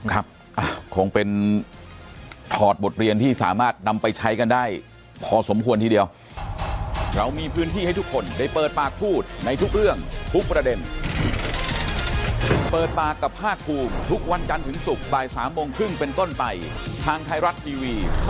ครับคงเป็นถอดบทเรียนที่สามารถนำไปใช้กันได้พอสมควรทีเดียว